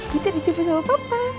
kita di jumpa sama papa